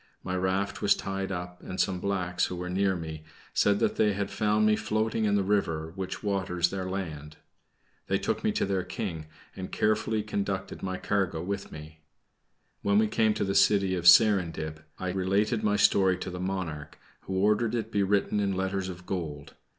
My raft was tied up and some blacks, who were near me, said that they had found me floating in the river which waters their land. They took me to their King, and carefully conducted my cargo with me. When we came to the city of Serindib, I related my story to the monarch, who ordered it to be written in letters of gold.